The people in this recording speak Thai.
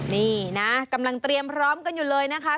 นี่นะกำลังเตรียมพร้อมกันอยู่เลยนะคะ